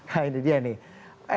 nah ini dia nih